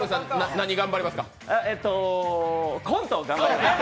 コントを頑張ります。